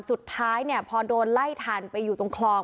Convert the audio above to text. สุดท้ายเนี่ยพอโดนไล่ทันไปอยู่ตรงคลอง